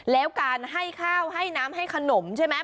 แล้วการให้ข้าวให้น้ำให้ขนมใช่ไหม